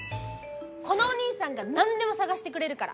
このおにいさんが何でも探してくれるから！